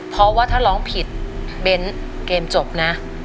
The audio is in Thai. เพราะว่าถ้าร้องผิดเบ้นเกมจบนะ